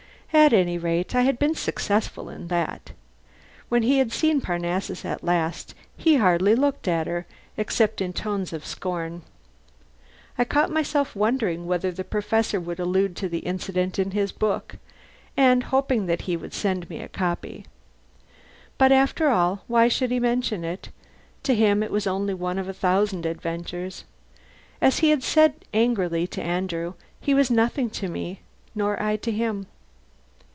At any rate, I had been successful in that. When he had seen Parnassus at last, he had hardly looked at her except in tones of scorn. I caught myself wondering whether the Professor would allude to the incident in his book, and hoping that he would send me a copy. But after all, why should he mention it? To him it was only one of a thousand adventures. As he had said angrily to Andrew, he was nothing to me, nor I to him.